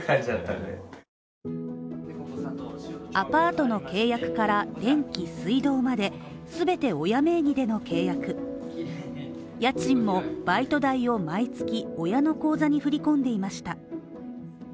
アパートの契約から電気、水道まで全て親名義での契約家賃もバイト代を毎月親の口座に振り込んでいました。